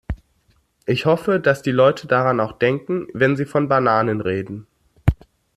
Ich hoffe, dass die Leute daran auch denken, wenn sie von Bananen reden.